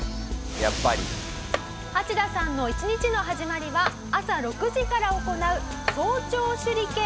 やっぱり」「ハチダさんの一日の始まりは朝６時から行う「早朝手裏剣！